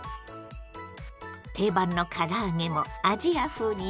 定番のから揚げもアジア風に大変身！